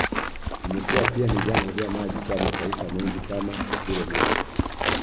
Imekuwa pia ni vyanzo vya maji kwa mataifa mengi kama vile Misri